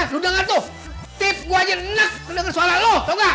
lo denger tuh tip gue aja enak denger suara lo tau gak